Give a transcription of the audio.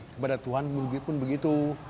kepada tuhan pun begitu